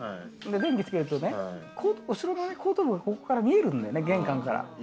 電気つけるとね、後頭部、ここから見えるんだよね、玄関から。